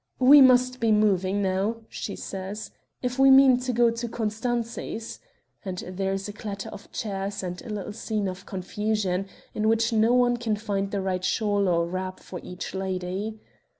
"We must be moving now," she says, "if we mean to go to Costanzi's," and there is a clatter of chairs and a little scene of confusion in which no one can find the right shawl or wrap for each lady.